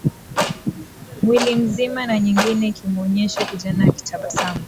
mwili mzima na nyingine ikimwonyesha kijana akitabasamu